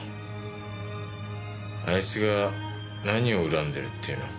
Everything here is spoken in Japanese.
あいつが何を恨んでるって言うの？